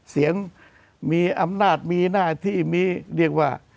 เสียงมีอำนาจมีหน้าที่มีเรียกว่า